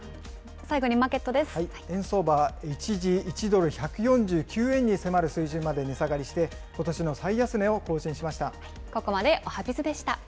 円相場は一時、１ドル１４９円に迫る水準まで値下がりして、ことしの最安値を更新しました。